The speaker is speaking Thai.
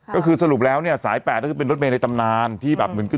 ก็คือสรุปแล้วเนี่ยสาย๘ก็คือเป็นรถเมย์ในตำนานที่แบบเหมือนกับ